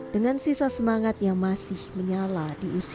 dengan sisa semangat yang masih menyala di usia